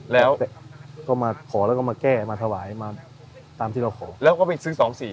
แล้วก็มาขอแล้วก็มาแก้มาถวายมาตามที่เราขอแล้วก็ไปซื้อ๒๔